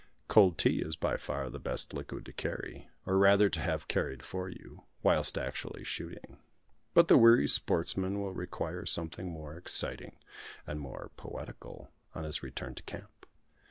Cold tea is by far the best liquid to carry or rather to have carried for you whilst actually shooting; but the weary sportsman will require something more exciting, and more poetical, on his return to camp.